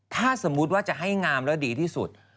ถ้าสมมุติว่าจะให้งามแล้วดีที่สุด